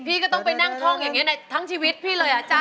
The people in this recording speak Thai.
พี่ก็ต้องไปนั่งท่องอย่างนี้ในทั้งชีวิตพี่เลยอ่ะจ๊ะ